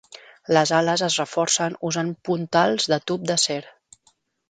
Les ales es reforcen usant puntals de tub d"acer.